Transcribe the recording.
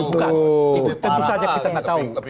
itu tentu saja kita gak tau